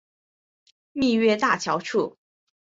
蜜月大桥处。